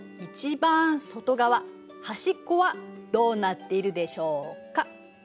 番外側端っこはどうなっているでしょうか？